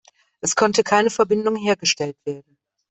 Es konnte keine Verbindung hergestellt werden.